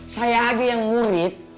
saya adik yang murid